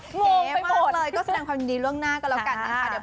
โอเคมากเลยก็แสดงความยินดีเรื่องหน้ากันละกันนะคะ